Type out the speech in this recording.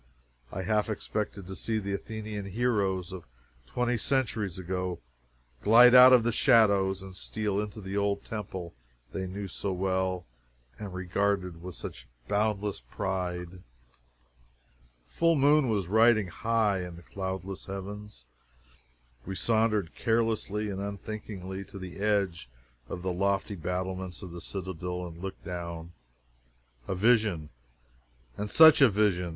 I half expected to see the Athenian heroes of twenty centuries ago glide out of the shadows and steal into the old temple they knew so well and regarded with such boundless pride. The full moon was riding high in the cloudless heavens, now. We sauntered carelessly and unthinkingly to the edge of the lofty battlements of the citadel, and looked down a vision! And such a vision!